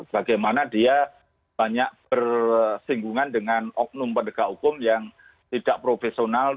bagaimana dia banyak bersinggungan dengan oknum penegak hukum yang tidak profesional